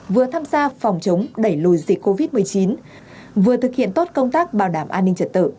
vừa tham gia phòng chống đẩy lùi dịch covid một mươi chín vừa thực hiện tốt công tác bảo đảm an ninh trật tự